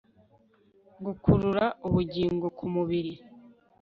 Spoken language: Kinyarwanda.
Gukurura ubugingo kumubiri